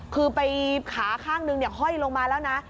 คือไปขาข้างหนึ่งเนี่ยเฮ้ยลงมาแล้วนะ